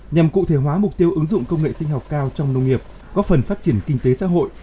nhằm cụ thể hóa mục tiêu ứng dụng công nghệ sinh học cao trong nông nghiệp góp phần phát triển kinh tế xã hội